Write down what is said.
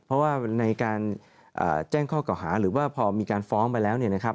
เพราะว่าในการแจ้งข้อเก่าหาหรือว่าพอมีการฟ้องไปแล้วเนี่ยนะครับ